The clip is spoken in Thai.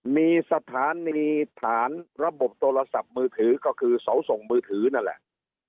มีสถานีฐานระบบโทรศัพท์มือถือก็คือเสาส่งมือถือนั่นแหละ